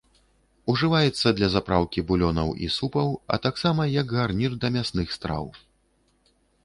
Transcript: Ужываецца для запраўкі булёнаў і супаў, і таксама як гарнір да мясных страў.